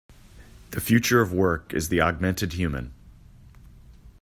The future of work is the augmented human.